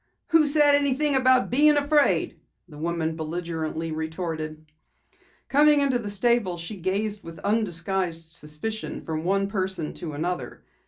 "Who said anything about bein' afraid?" the woman belligerently retorted. Coming into the stable, she gazed with undisguised suspicion from one person to another.